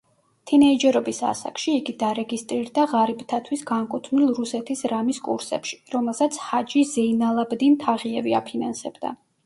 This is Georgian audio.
თინეიჯერობის ასაკში იგი დარეგისტრირდა ღარიბთათვის განკუთვნილ რუსეთის რამის კურსებში, რომელსაც ჰაჯი ზეინალაბდინ თაღიევი აფინანსებდა.